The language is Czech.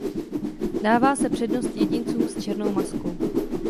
Dává se přednost jedincům s černou maskou.